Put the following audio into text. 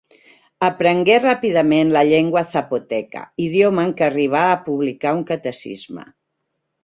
Aprengué ràpidament la llengua zapoteca, idioma en què arribà a publicar un catecisme.